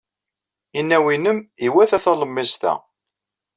Inaw-nnem iwata talemmiẓt-a.